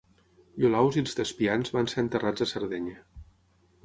Iolaus i els Thespians van ser enterrats a Sardenya.